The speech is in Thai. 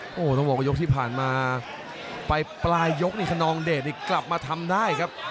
โอ้โหต้องบอกว่ายกที่ผ่านมาไปปลายยกนี่คนนองเดชนี่กลับมาทำได้ครับ